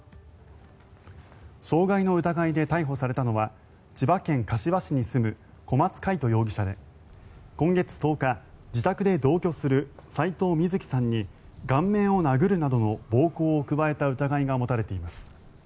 傷害の疑いで逮捕されたのは千葉県柏市に住む小松魁人容疑者で今月１０日、自宅で同居する齋藤瑞希さんに顔面を殴るなどの暴行を加えた疑いが持たれています。